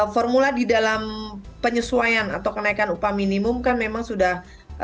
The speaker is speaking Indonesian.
formula di dalam penyesuaian atau kenaikan upah minimum kan memang sudah